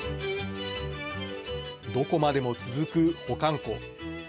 どこまでも続く保管庫。